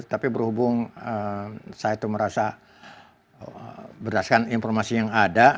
tapi berhubung saya itu merasa berdasarkan informasi yang ada